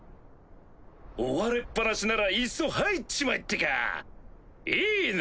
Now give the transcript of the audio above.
追われっぱなしならいっそ入っちまえってか。いいね！